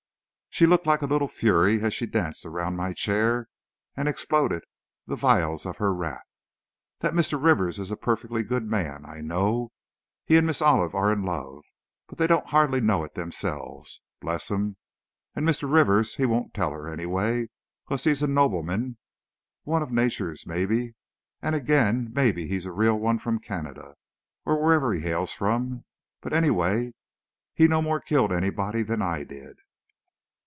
She looked like a little fury as she danced around my chair and exploded the vials of her wrath. "That Mr. Rivers is a perfectly good man, I know! He and Miss Olive are in love, but they don't hardly know it themselves, bless 'em! And Mr. Rivers he won't tell her, anyway, 'cause he's a nobleman, one of Nature's maybe, and again, maybe he's a real one from Canada, or wherever he hails from. But, anyway, he no more killed anybody than I did!"